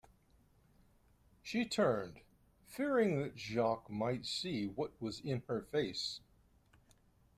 She turned, fearing that Jacques might see what was in her face.